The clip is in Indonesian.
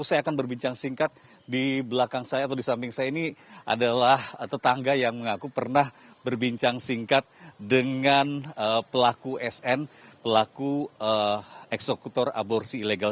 jadi saya akan berbincang singkat di belakang saya atau di samping saya ini adalah tetangga yang mengaku pernah berbincang singkat dengan pelaku sn pelaku eksekutor aborsi ilegal